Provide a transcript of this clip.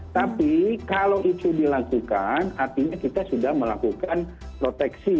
tapi kalau itu dilakukan artinya kita sudah melakukan proteksi